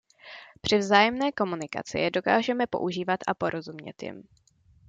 Při vzájemné komunikaci je dokážeme používat a porozumět jim.